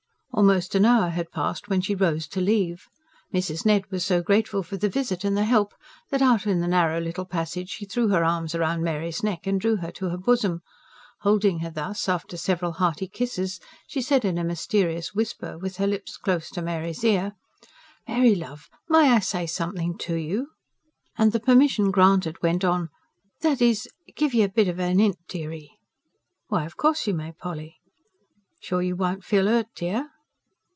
Almost an hour had passed when she rose to leave. Mrs. Ned was so grateful for the visit and the help that, out in the narrow little passage, she threw her arms round Mary's neck and drew her to her bosom. Holding her thus, after several hearty kisses, she said in a mysterious whisper, with her lips close to Mary's ear: "Mary, love, may I say something to you?" and the permission granted, went on: "That is, give you a bit of a hint, dearie?" "Why, of course you may, Polly." "Sure you won't feel hurt, dear?"